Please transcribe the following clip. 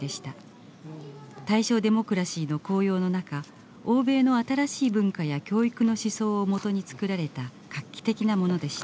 大正デモクラシーの高揚の中欧米の新しい文化や教育の思想をもとに作られた画期的なものでした。